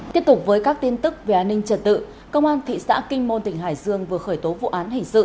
tiếp tục với các tin tức về an ninh trật tự công an thị xã kinh môn tỉnh hải dương vừa khởi tố vụ án hình sự